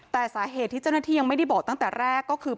แต่สาเหตุที่เจ้าหน้าที่ยังไม่ได้บอกตั้งแต่แรกก็คือ